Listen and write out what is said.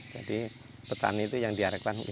jadi petani itu yang diharapkan